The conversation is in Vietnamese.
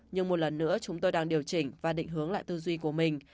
nhưng một lần nữa chúng tôi đang điều chỉnh và định hướng lại tư duy của mình